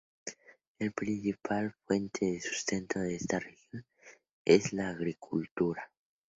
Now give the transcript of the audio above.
La principal fuente de sustento de esa región es la agricultura.